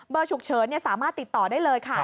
ฉุกเฉินสามารถติดต่อได้เลยค่ะ